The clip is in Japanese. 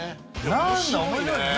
何だ面白いね。